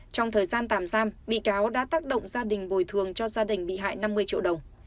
trong thời gian tạm giam bị cáo đã tác động gia đình bồi thường cho gia đình bị hại năm mươi triệu đồng